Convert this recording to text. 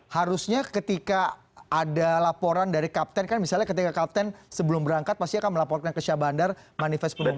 harusnya ketika ada laporan dari kapten kan misalnya ketika kapten sebelum berangkat pasti akan melaporkan ke syah bandar manifest politik